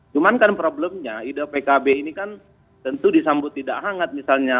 cuman kan problemnya ide pkb ini kan tentu disambut tidak hangat misalnya